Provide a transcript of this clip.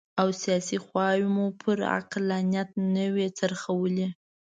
او سیاسي خواوې مو پر عقلانیت نه وي څرخولي.